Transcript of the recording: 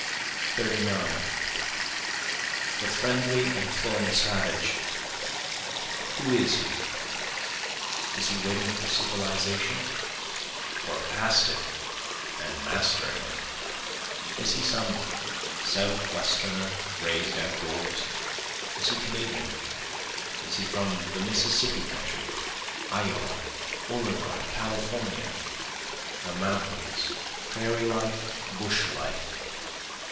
39 The friendly and flowing savage, who is he? Is he waiting for civilization, or past it and mastering it? Is he some Southwesterner rais'd out doors? is he Kanadian? Is he from the Mississippi country? Iowa, Oregon, California? The mountains? prairie life, bush life?